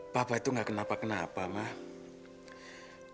papa tu nggak kenapa kenapa mah